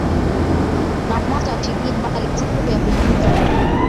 wa mwanzo achilia mbali tabu ya kujifunza lugha